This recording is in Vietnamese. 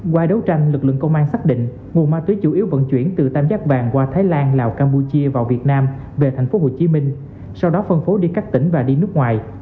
qua đấu tranh lực lượng công an xác định nguồn ma túy chủ yếu vận chuyển từ tam giác vàng qua thái lan lào campuchia vào việt nam về thành phố hồ chí minh sau đó phân phố đi các tỉnh và đi nước ngoài